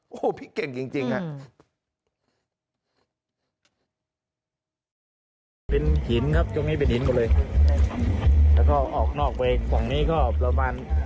โอ้โหพี่เก่งจริงครับ